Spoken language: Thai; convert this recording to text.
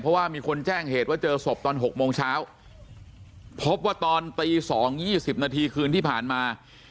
เพราะว่ามีคนแจ้งเหตุว่าเจอศพตอน๖โมงเช้าพบว่าตอนตี๒๒๐นาทีคืนที่ผ่านมา